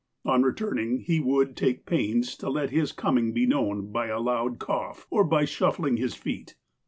On return ing, he would take pains to let his coming be known by a loud cough, or by shuffling his feet.